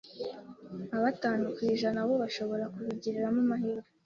nka batanu kwijana bo bashobora kubigiriramo amahirwe,